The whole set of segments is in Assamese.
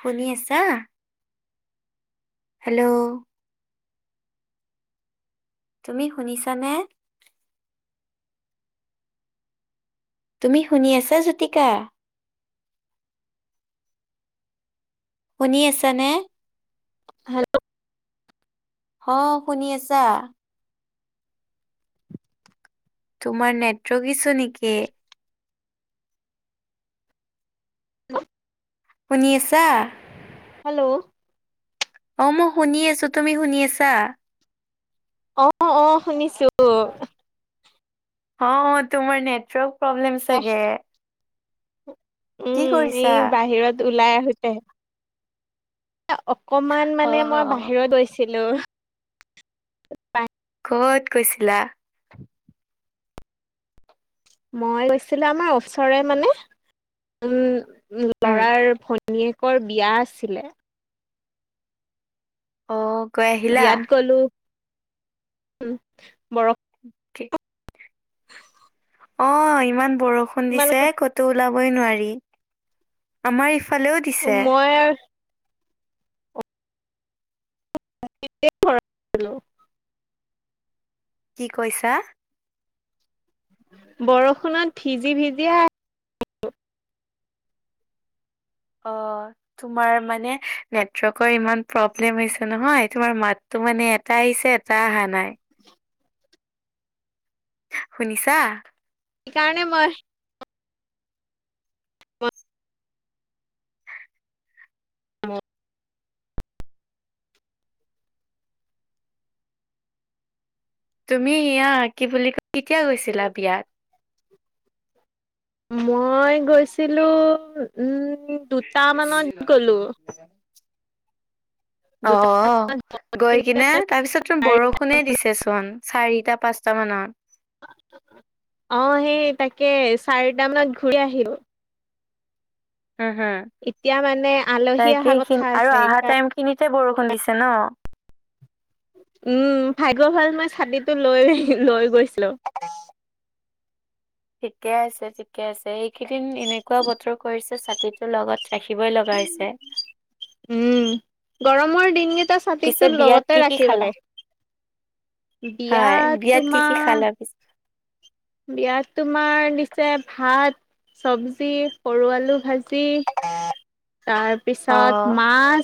শুনি আছা হেল্ল' তুমি শুনিছানে তুমি শুনি আছা জ্যোতিকা? শুনি আছানে? হেল্ল' অ শুনি আছা তোমাৰ নেটৱৰ্ক ইছো নেকি শুনি আছা হেল্ল' অ মই শুনি আছো তুমি শুনি আছা অ অ শুনিছো অ তোমাৰ নেটৱৰ্ক প্ৰব্লেম চাগে কি উম কৰিছা? এই বাহিৰত ওলাই আহোতে অকমান মানে অ', মই অ'। বাহিৰত গৈছিলো ক'ত গৈছিলা মই গৈছিলো আমাৰ ওচৰে মানে উম উম, লৰাৰ ভনী ভনীয়েকৰ বিয়া আছিলে অ গৈ আ বিয়াত গলো বৰ [unintelligible] অ ইমান বৰষুণ দিছে তোমালোকৰ কতো ওলাবই নোৱাৰি আমাৰ ইফালেও দিছে মই [unintelligible] কি কৈছা? বৰষুণত ভিজি ভিজি আহ অ তোমাৰ মানে নেটৱৰ্কৰ ইমান প্ৰব্লেম হৈছে নহয় তোমাৰ মাততো মানে এটা আহিছে, এটা তাই অহা নাই শুনিছা? ইকাৰণে মই মট তুমি ইয়া কি বুলি কয় কেতিয়া গৈছিলা বিয়াত? মই গৈছিলোঁ উম দুটামানত গ'লো [unintelligible] অ দুটা মান গৈ কিনে তাৰপিছত চোন বৰষুণে দিছেচোন চাৰিটা, পাঁচটা মানত অ সেই তাকে চাৰিটা মানত ঘূৰি আহিলোঁ হম হম এতিয়া মানে আলহী অহা কথা আছে সেইকা তিনিতে বৰষুণ দিছে ন উম ভাগ্য ভাল মই ছাতিটো লৈ লৈ গৈছিলোঁ ঠিকে আছে, ঠিকে আছে এইকেইদিন এনেকুৱা বতৰ কৰিছে ছাতিটো লগত থাকিবই লগা হৈছে উম গৰমৰ দিনকেইটা পিছে ছাতিটো বিয়াত লগতে কি কি ৰাখিব খালা লাগে বিয়া হয় বিয়াত কি কি তোমাৰ খালা পিছে বিয়াত তোমাৰ দিছে ভাত চবজি, সৰু আলু ভাজি, তাৰ অ পিছত মাছ,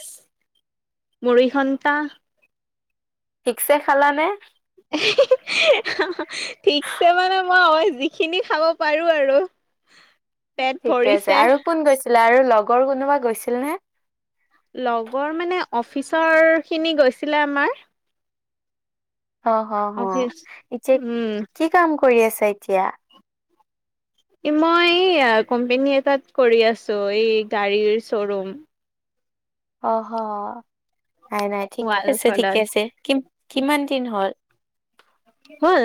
মুৰিঘণ্টা থিকছে খালানে? ঠিকছে মানে মই অ যিখিনি খাব পাৰো আৰু পেট ঠিকে আছে ভৰিছে আৰু কোন গৈছিলে আৰু লগৰ কোনোবা গৈছিল নে লগৰ মানে অফিচৰ খিনি গৈছিলে আমাৰ অ হ হ অফিচ এতিয়া উম কি কাম কৰি আছা এতিয়া? মই এই কোম্পেনী এটাত কৰি আছো এই গাড়ীৰ শ্বৰুম অহ নাই নাই ঠিকে আছে, ৱালখনত ঠিকে আছে কি কিমান দিন হ'ল? হ'ল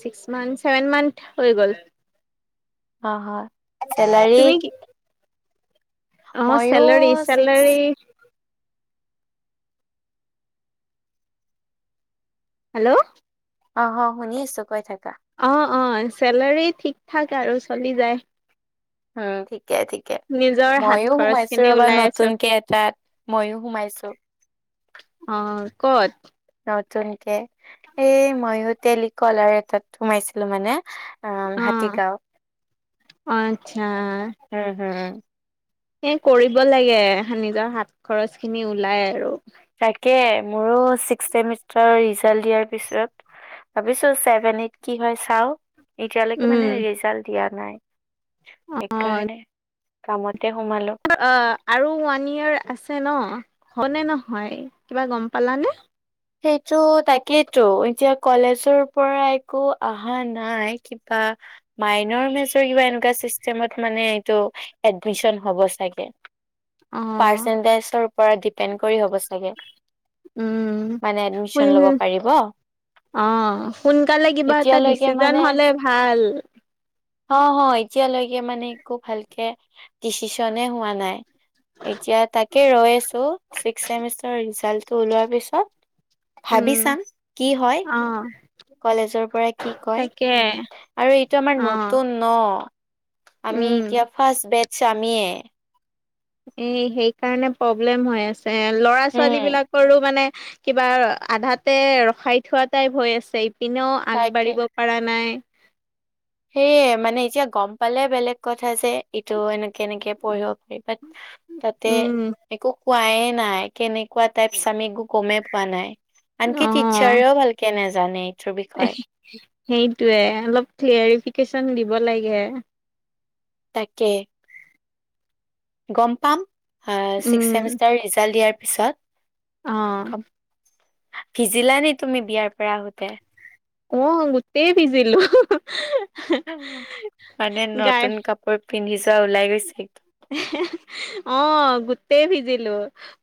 ছিক্স মান্থ, ছেভেন মান্থ হৈ গ'ল অ হয় চেলাৰী তুমি কি অ চেলাৰী মইয়ো ছিক্স চেলাৰী হেল্ল' অ অ শুনি আছো কৈ থাকা অ অ চেলাৰী ঠিক ঠাক আৰু চলি যায় উম ঠিকে ঠিক কে নিজৰ হাত মইও খৰচ সোমাইছো খিনি ৰবা ওলাই আছো নতুনকে এটাত মইও সোমাইছো অ ক'ত? নতুনকে এই ময়ো টেলিকল আৰু এটাত সোমাইছিলো মানে অ অ আচ্ছা হম হম হম এ কৰিব লাগে নিজৰ হাত খৰচ খিনি ওলাই আৰু তাকে মোৰো ছিক্স চেমিষ্টাৰ ৰিজাল্ট দিয়াৰ পিছত ভাবিছো ছেভেন এইট কি হয় চাও এতিয়ালৈকে উম মানে ৰিজাল্ট দিয়া নাই, অ সেইকাৰণে কামতে সোমালো। অ' আৰু ওৱান ইয়েৰ আছে ন, হয়নে নহয়, কিবা গম পালানে? সেইটো তাকেইেতো, এতিয়া কলেজৰ পৰা একো অহা নাই কিবা মাইনৰ মেজৰ কিবা এনেকুৱা চিষ্টেমত মানে এইটো এডমিচন হ'ব চাগে। অ পাৰ্চেন্টেজৰ ওপৰত ডিপেণ্ড কৰি হ'ব চাগে। উম, মানে এডমিচন হয় ল'ব মই পাৰিব। অ', সোনকালে কিবা এটা এতিয়ালৈকে ডিচিজন মানে হ'লে ভাল। অ' হয় এতিয়ালৈকে মানে একো ভালকে ডিচিশনে হোৱা নাই। এতিয়া তাকে ৰৈ আছো, ছিক্স চেমিষ্টাৰ ৰিজাল্টটো ওলোৱাৰ পিছত উম ভাবি ছাম, কি হয়। অ কলেজৰ পৰা কি কয়, তাকে আৰু এইটো আমাৰ অ নতুন ন, আমি উম এতিয়া ফাৰ্ষ্ট বেটছ আমিয়ে। এ সেইকাৰণে প্ৰব্লেম হৈ আছে, ল'ৰা ছোৱালী উম বিলাকৰো মানে কিবা আধাতে ৰখাই থোৱা টাইপ হৈ আছে, ইপিনেও তাকে আগবাঢ়িব পৰা নাই। সেয়ে মানে এতিয়া গম পালে বেলেগ কথা যে ইটো এনেকে এনেকে পঢ়িব পাৰি বাট [inaudible] তাতে, উম একো কোৱাইে নাই, কেনেকুৱা টাইপচ আমি একো গমেই পোৱা নাই। অ আনকি টিচাৰেও ভালকে নাজানে। এইটোৰ বিষয়ে সেইটোৱে, অলপ ক্লিয়াৰফিকেশচন দিব লাগে। তাকে। গম পাম, আ ছিক্স উম চেমিষ্টাৰ ৰিজাল্ট দিয়াৰ পিছত। অ ভিজিলা নেকি তুমি বিয়াৰ পৰা আহোতে? অ' গোটেই ভিজিলো। মানে গাই নতুন কাপোৰ পিন্ধি যোৱা ওলাই গৈছে। অ' গোটেই ভিজিলো।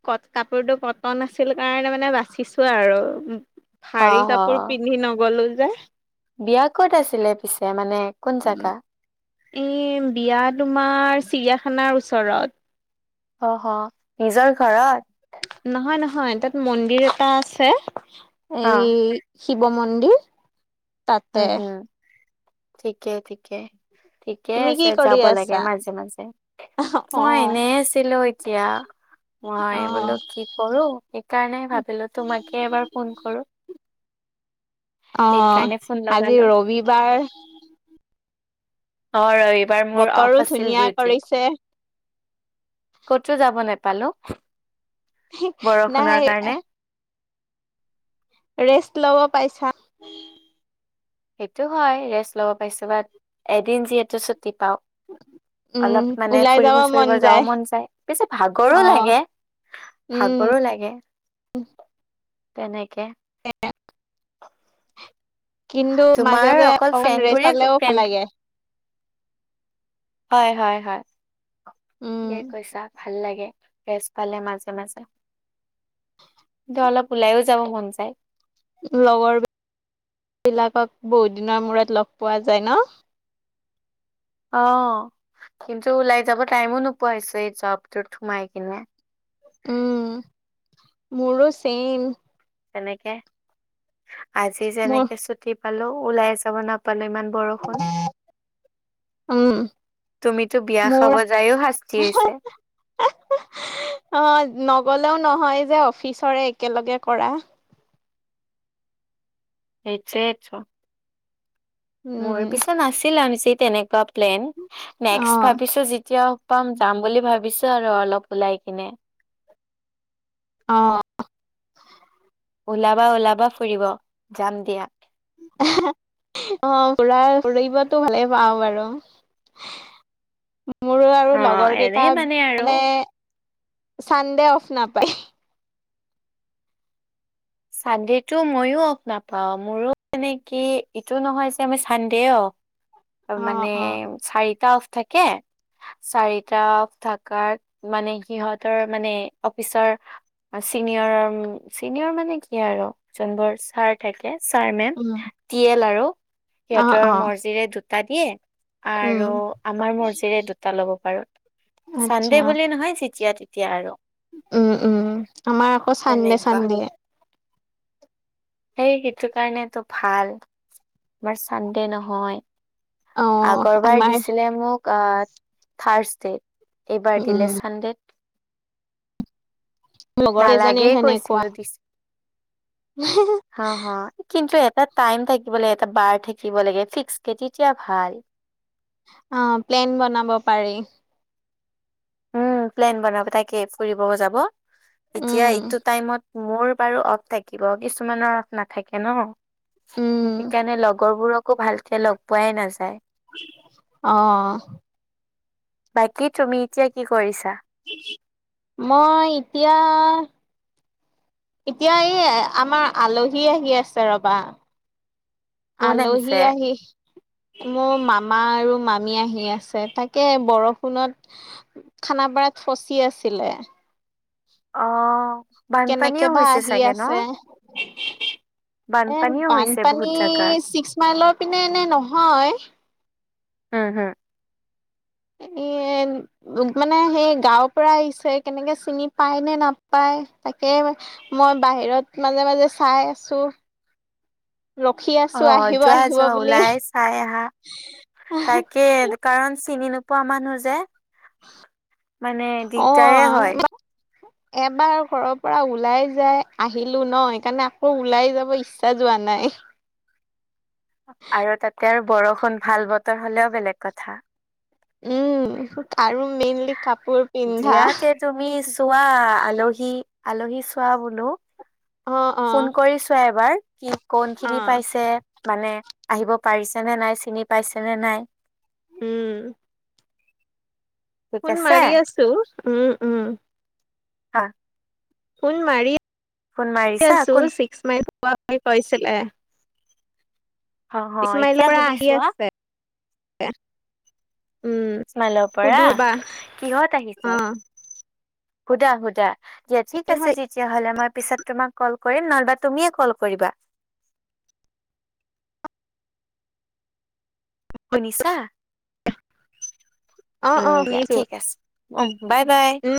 ক কাপোৰটো কটন আছিল কাৰণে মানে বাচিছো আৰু। অ ভাৰী হ কাপোৰ পিন্ধি নগলো যে। বিয়া কত আছিলে পিছে, মানে কোন জেগা? এ বিয়া তোমাৰ চিৰিয়াখানাৰ ওচৰত। অ' অ', নিজৰ ঘৰত। নহয় নহয়, তাত মন্দিৰ এটা আছে, অ এই শিৱ মন্দিৰ। তাতে। উম হুম, ঠিকে ঠিকে ঠি ঠিকে তুমি কি আছে, কৰি যাব লাগে আছা? মাজে মাজে, অ', মই এনে লো এতিয়া, মই বোলো অ', কি কৰো, সেইকাৰণে ভাবিলো তোমাকে এবাৰ ফোন কৰো। অ' সেইকাৰণে ফোন আজি লগালো ৰবিবাৰ। অ' ৰবিবাৰ মোৰ বতৰো অফ আছিল ধুনীয়া ডিউটি। কৰিছে। কতো যাব নেপালো, নাই বৰষুণৰ কাৰণে। ৰেষ্ট ল'ব পাইছা। সেইটো হয় ৰেষ্ট ল'ব পাইছো বা, এদিন যিহেতু ছুটি পাওঁ। উম, অলপ মানে ওলাই যাব ফুৰিব মন ফুৰিব যাও মন যায়, বেছি ভাগৰো অ', লাগে। উম, ভাগৰো লাগে, তেনেকে। এক [unintelligible] কিন্তু মাজে তোমাৰ মাজে অকল অকন ফ্ৰেণ্ড ৰেষ্ট বোৰে পালেও ভাল ফ্ৰেণ্ড লাগে। হয় হয় হয়, উম, ঠিকে কৈছা। ভাল লাগে, ৰেষ্ট পালে মাজে মাজে। কিন্তু অলপ ওলাইও যাব মন যায়। লগৰ বিলাকক, বহুত দিনৰ মূৰত লগ পোৱা যায় ন'। অ' কিন্তু ওলাই যাব টাইমো নোপোৱা হৈছো, এই জবটোত সোমাই কিনে। উম, মোৰো চেইম। তেনেকে, আজি মোৰ যেনেকে ছুটি পালো, ওলাই যাব নাপালো ইমান বৰষু ণ, উম, তুমিতো বিয়া মোৰ খাব জায়ও শাস্তি হৈছে। অ' নগলেও নহয় যে, অফিচৰে একেলগে কৰা। সেইটোয়ে টো, মোৰ উম, পিছে নাছিলে বেছি তেনেকে প্লেন, নেক্স অ', ভাবিছো যেতিয়া পাম যাম বুলি ভাবিছো আৰু অলপ ওলাই কিনে। অ'। ওলাবা ওলাবা ফুৰিব, যাম দিয়া। অ' ফুৰা, ফুৰিবতো ভালে পাওঁ বাৰু। [inaudible] মোৰো আৰু অ লগৰ কেইটা এনেই আৰু মানে, চানডে অফ নাপায়। চানডেটো মইো অফ নাপাওঁ, মোৰো মানে কি ইটো নহয় যে আমি চানডে অফ অ', মানে অ', চাৰিটা অফ থাকে। চাৰিটা থাকাৰ মানে সিহঁতৰ মানে অফিচৰ চিনিয়ৰ, চিনিয়ৰ মানে কি আৰু যোনবোৰ চাৰ থাকে ছাৰ মেম, উম, টিয়েল আৰু, অ', সিহঁতৰ অ', মৰ্জিৰে দুটা দিয়ে। উম, আৰু আমাৰ মৰ্জিৰে দুটা ল'ব পাৰো। চানডে আচ্ছা। বুলি নহয় যেতিয়া তেতিয়া আৰু। উম উম, আমাৰ আকৌ চানডে তেনেকুৱা চানডে। সেই সেইটো কাৰণেটো ভাল, আমাৰ চানডে নহয়। অ', আগৰবাৰ আমাৰ দিছিলে মোক আ থাৰচডে, এইবাৰ উম, দিলে চানডে। লগৰ কেইজনীৰ নালাগেই সেনেকুৱা কৈছিলো দিছে। অ' হো কিন্তু এটা টাইম থাকিব লাগে, এটা বাৰ থাকিব লাগে ফিক্স কে তেতিয়া ভাল। অ' প্লেন বনাব পাৰি। উম, প্লেন বনাব তাকে ফুৰিব‌ও যাব, এতিয়া উম, এইটো টাইমত মোৰ বাৰু অফ থাকিব, কিছুমানৰ অফ নাথাকে ন'। উম, সেইকাৰণে লগৰবোৰকো ভালকে লগ পোৱাই নাযায়। অ'। বাকী তুমি এতিয়া কি কৰিছা? মই এতিয়া এতিয়া এই আমাৰ আলহী আহি আছে ৰবা। কোন আলহি আহিছে? আহি মোৰ মামা আৰু মামী আহি আছে, তাকে বৰষুণত খানাপাৰাত ফচি আছিলে। অ'। কেনেকে বানপানীও বা হৈছে আহি চাগে ন? আছে। এ বানপানীও হৈছে বহুত বানপানী জাগাত। ছিক্স মাইলৰ পিনে এনে নহয়। হম হম। এই উ মানে সেই গাঁৱৰ পৰা আহিছে, কেনেকে চিনি পায় নে নাপায় তাকে মই বাহিৰত মাজে মাজে চাই আছোঁ। অ' আহিব যোৱা আহিব যোৱা বুলি ওলাই চাই আহা। তাকে দোকাণ চিনি নোপ পোৱা মানুহ যে মানে অ দিগদাৰে হয়। এবাৰ ঘৰৰ পৰা ওলাই যাই আহিলো ন' সেইকাৰণে আকৌ ওলাই যাব ইচ্ছা যোৱা নাই। আৰু তাতে আৰু বৰষুণ ভাল বতৰ হলেও বেলেগ কথা। উম আৰু মেইনলি কাপোৰ পিন্ধা জীয়াকে তুমি চোৱা আলহী আলহী চোৱা বোলো। অ অ ফোন কৰি ছোৱা এবাৰ কি কোন অ খিনি পাইছে? মানে আহিব পাৰিছে নে নাই চিনি পাইছে নে নাই? উম। ঠিক ফোন আছে। মাৰি আছোঁ। উম উম। [inaudible] ফোন মাৰি ফোন মাৰিছা আছোঁ। কোন চেক ছিস্কমাইল পোৱা বুলি কৈছিলে, অ হ এতিয়া ছিস্কমাইলৰ পৰা আহি সুধিছোৱা আছে। এ [unintelligible] ছিক্স মাইলৰ পৰা বা কিহত আহিছ? অ', সুধা সুধা দিয়া কি ঠিক হয় আছে আজি। তেতিয়াহ'লে মই পিছত তোমাক কল কৰিম নহবা তুমিয়ে কল কৰিবা। শুনিছাঁ? অ', উম অ', দিয়া ঠিক আছে উ bye bye. Okay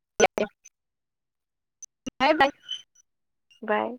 bye bye. বাই